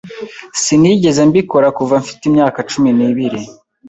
Sinigeze mbikora kuva mfite imyaka cumi n'ibiri.